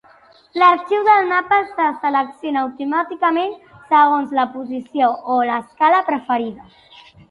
L'arxiu del mapa se selecciona automàticament segons la posició o l'escala preferida.